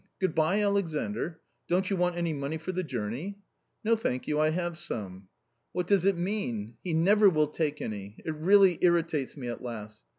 Good bye, Alexandr ? Don't you want any money for the journey ?" I ^No, thank you, I have some." (" What does it mean ! he never will take any ; it really Virritates me at last.